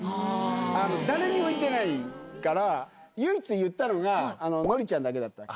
誰にも言ってないから、唯一言ったのが、ノリちゃんだけだったわけ。